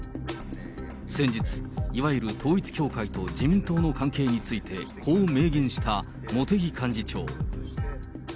先日、いわゆる統一教会と自民党の関係について、こう明言した茂木幹事長。